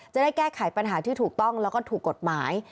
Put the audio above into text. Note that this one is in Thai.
จะได้แก้ไขปัญหาที่ถูกต้องแล้วก็ถูกกฎหมาย